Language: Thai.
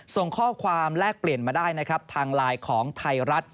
ส่งข้อความแลกเปลี่ยนมาได้นะครับทางไลน์ของไทยรัฐ